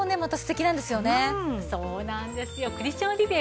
そうなんですよ。